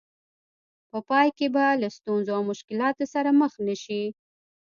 په پای کې به له ستونزو او مشکلاتو سره مخ نه شئ.